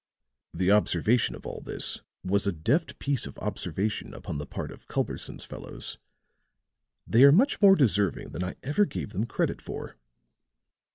The observation of all this was a deft piece of observation upon the part of Culberson's fellows. They are much more deserving than I ever gave them credit for."